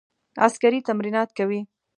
عسکري تمرینات کوي.